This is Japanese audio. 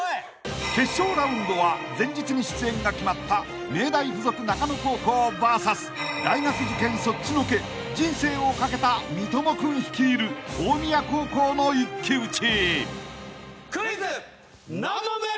［決勝ラウンドは前日に出演が決まった明大付属中野高校ＶＳ大学受験そっちのけ人生をかけた三友君率いる大宮高校の一騎打ち］